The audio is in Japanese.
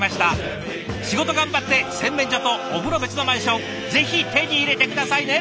仕事頑張って洗面所とお風呂別のマンションぜひ手に入れて下さいね！